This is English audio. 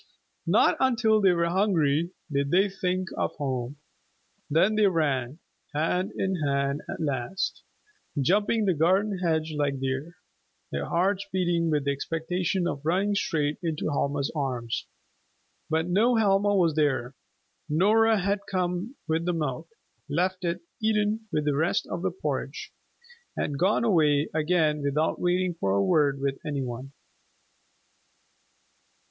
Not until they were hungry did they think of home. Then they ran, hand in hand at last, jumping the garden hedge like deer, their hearts beating with the expectation of running straight into Helma's arms. But no Helma was there. Nora had come with the milk, left it, eaten the rest of the porridge, and gone away again without waiting for a word with any one.